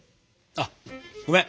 あごめん。